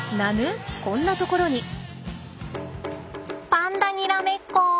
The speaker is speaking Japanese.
パンダにらめっこ！